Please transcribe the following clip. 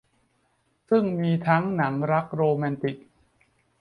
ซึ่งมีทั้งหนังรักโรแมนติก